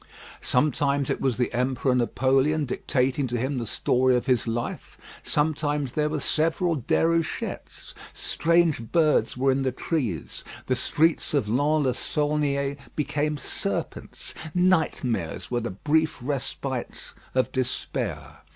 Sometimes it was the Emperor Napoleon dictating to him the story of his life; sometimes there were several Déruchettes; strange birds were in the trees; the streets of Lons le Saulnier became serpents. Nightmares were the brief respites of despair.